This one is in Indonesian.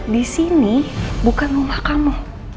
disini bukan rumah kamu